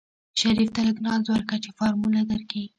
شريف ته لږ ناز ورکه چې فارموله درکي.